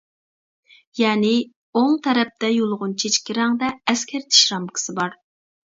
يەنى ئوڭ تەرەپتە يۇلغۇن چېچىكى رەڭدە ئەسكەرتىش رامكىسى بار.